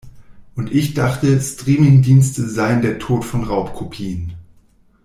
Und ich dachte, Streamingdienste seien der Tod von Raubkopien.